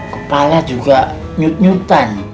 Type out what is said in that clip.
kepala juga nyut nyutan